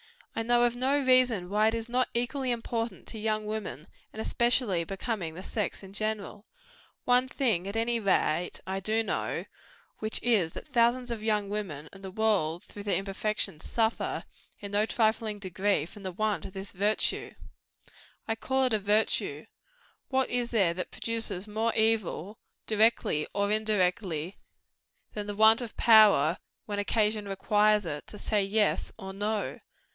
I know of no reason why it is not equally important to young women, and equally becoming the sex in general. One thing, at any rate, I do know; which is, that thousands of young women and the world through their imperfection suffer, in no trifling degree, from the want of this virtue. I call it a virtue. What is there that produces more evil directly or indirectly than the want of power, when occasion requires it, to say YES, or NO?